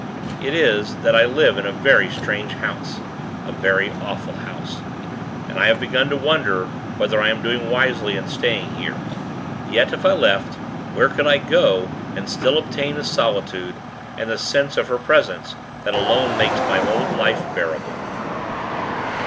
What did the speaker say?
It is, that I live in a very strange house; a very awful house. And I have begun to wonder whether I am doing wisely in staying here. Yet, if I left, where could I go, and still obtain the solitude, and the sense of her presence, that alone make my old life bearable?